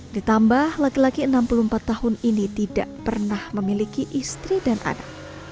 ditambah laki laki enam puluh empat tahun ini tidak pernah memiliki istri dan anak